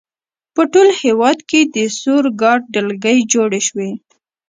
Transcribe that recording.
په ټول هېواد کې د سور ګارډ ډلګۍ جوړې شوې.